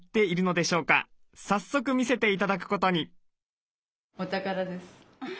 早速見せて頂くことに。